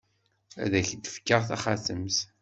Ad ak-d-fkeɣ taxatemt.